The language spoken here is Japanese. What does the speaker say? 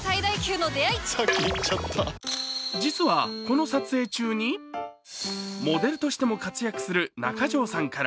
実は、この撮影中にモデルとしても活躍する中条さんから